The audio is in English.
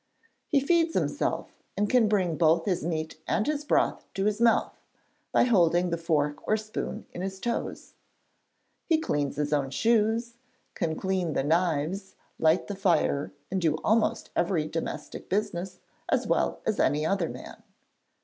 'He feeds himself and can bring both his meat and his broth to his mouth, by holding the fork or spoon in his toes. He cleans his own shoes; can clean the knives, light the fire, and do almost every domestic business as well as any other man.